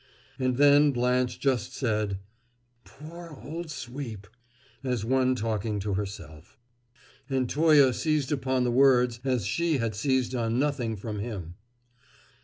And then Blanche just said, "Poor old Sweep!" as one talking to herself. And Toye seized upon the words as she had seized on nothing from him.